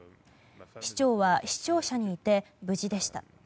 市長は市庁舎にいて無事でした。